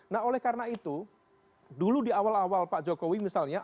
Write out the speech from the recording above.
nah oleh karena itu dulu di awal awal pak jokowi misalnya